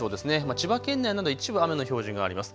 千葉県など一部、雨の表示があります。